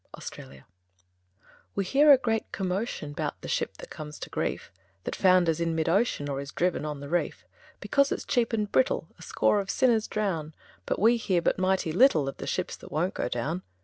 0 Autoplay We hear a great commotion 'Bout the ship that comes to grief, That founders in mid ocean, Or is driven on a reef; Because it's cheap and brittle A score of sinners drown. But we hear but mighty little Of the ships that won't go down.